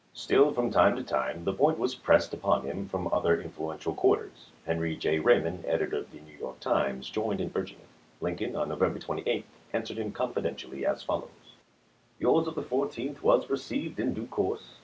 Still, from time to time, the point was pressed upon him from other influential quarters. Henry J. Raymond, editor of the " New York Times," joined in urging it. Lincoln, on November 28, answered him confidentiallv as follows : Yours of the 14th was received in due course.